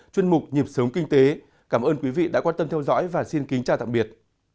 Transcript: chuyên mục nhịp sống kinh tế cảm ơn quý vị đã quan tâm theo dõi và xin kính chào tạm biệt